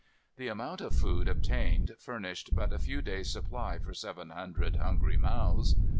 The amount of food obtained, furnished but a few days' supply for seven hundred hungry mouths.